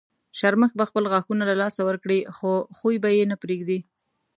شرمښ به خپل غاښونه له لاسه ورکړي خو خوی به یې نه پرېږدي.